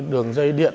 đường dây điện